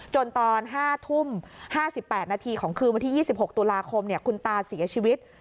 ตอน๕ทุ่ม๕๘นาทีของคืนวันที่๒๖ตุลาคมคุณตาเสียชีวิต